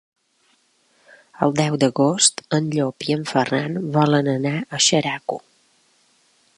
El deu d'agost en Llop i en Ferran volen anar a Xeraco.